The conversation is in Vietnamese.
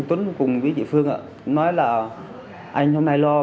trong đó phương là chủ nợ